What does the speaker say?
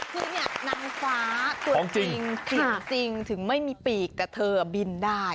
คือเนี่ยนางฟ้าตัวจริงจริงถึงไม่มีปีกกับเธอบินได้